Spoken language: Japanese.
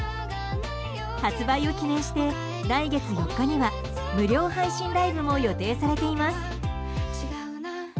発売を記念して、来月４日には無料配信ライブも予定されています。